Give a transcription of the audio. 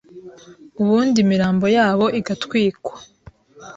ubundi imirambo yabo igatwikwa